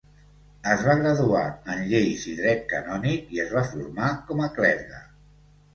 Es va graduar en lleis i dret canònic i es va formar com a clergue.